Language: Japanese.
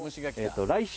来週？